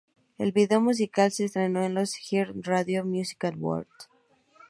El video musical se estrenó en los iHeartRadio Music Awards.